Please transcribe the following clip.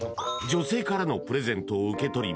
女性からのプレゼントを受け取り